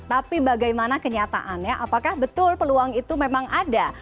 tapi bagaimana kenyataannya apakah betul peluang itu memang ada